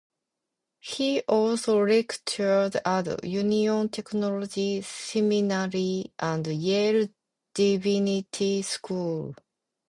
He also lectured at Union Theological Seminary and Yale Divinity School.